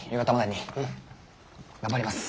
頑張ります。